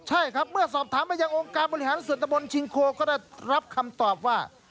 ใช่ครับเมื่อสอบถามไปยังองค์การบริหารส่วนตะบนชิงโคก็ได้รับคำตอบว่า